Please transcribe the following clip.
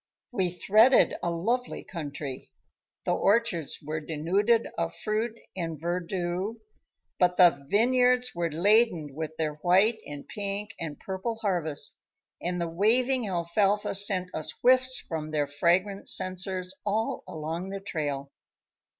We threaded a lovely country. The orchards were denuded of fruit and verdure, but the vineyards were laden with their white and pink and purple harvest, and the waving alfalfa sent us whiffs from their fragrant censers all along the trail.